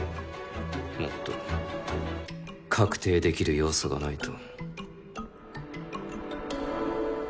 もっと確定できる要素がないと。